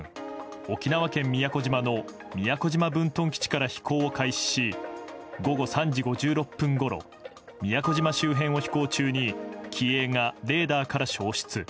沖縄県宮古島の宮古島分屯基地から飛行を開始し午後３時５６分ごろ宮古島周辺を飛行中に機影がレーダーから消失。